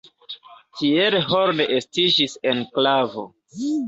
Tiel Horn estiĝis enklavo.